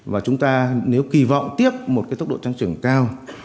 và chúng ta nếu kỳ vọng tiếp một cái tốc độ tăng trưởng cao